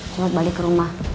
cuma balik ke rumah